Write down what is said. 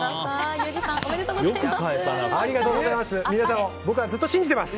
ユージさんおめでとうございます。